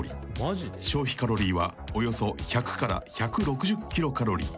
［消費カロリーはおよそ１００から１６０ｋｃａｌ］